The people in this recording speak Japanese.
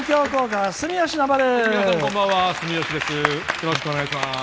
よろしくお願いします。